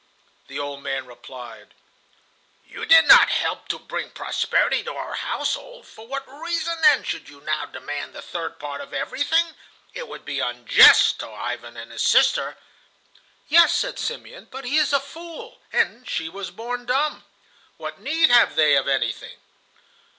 The old man replied: "You did not help to bring prosperity to our household. For what reason, then, should you now demand the third part of everything? It would be unjust to Ivan and his sister." "Yes," said Simeon; "but he is a fool, and she was born dumb. What need have they of anything?"